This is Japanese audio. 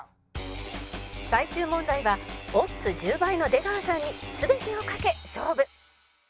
最終問題はオッズ１０倍の出川さんに全てを賭け勝負